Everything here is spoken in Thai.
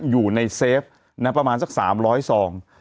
อยู่ในเซฟไว้เกึ่ง๓๐๐ซอง